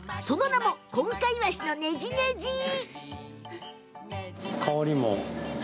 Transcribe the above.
その名もこんかいわしのねじねじ。